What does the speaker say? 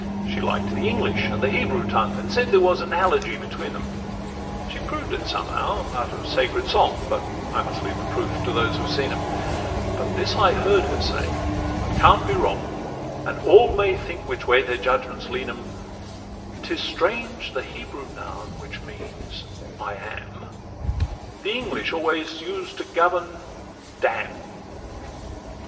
She liked the English and the Hebrew tongue, And said there was analogy between 'em; She proved it somehow out of sacred song, But I must leave the proofs to those who've seen 'em; But this I heard her say, and can't be wrong And all may think which way their judgments lean 'em, ''Tis strange—the Hebrew noun which means "I am," The English always use to govern d n.